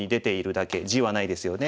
地はないですよね。